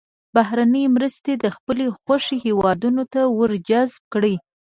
بهرنۍ مرستې د خپلې خوښې هېوادونو ته ور جذب کړي.